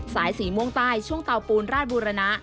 สายสีม่วงใต้ช่วงเตาปูนราชบุรณะ